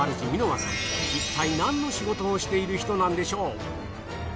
いったい何の仕事をしている人なんでしょう？